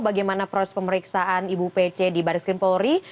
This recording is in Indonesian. bagaimana proses pemeriksaan ibu pece di baris krim polri